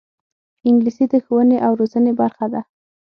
انګلیسي د ښوونې او روزنې برخه ده